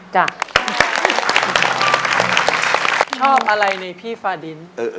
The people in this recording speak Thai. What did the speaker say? ชอบอะไรในพี่ฟาดิน